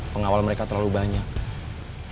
pengawal mereka terlalu banyak